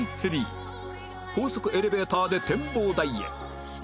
高速エレベーターで展望台へ